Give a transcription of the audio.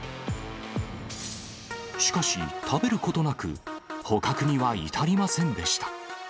しかし食べることなく、捕獲には至りませんでした。